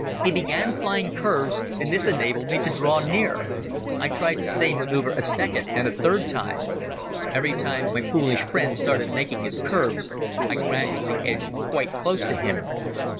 He began flying curves and this enabled me to draw near. I tried the same manoeuver a second and a third time. Everytime my foolish friend started making his curves I gradually edged quite close to him.